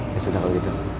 ya sudah kalau gitu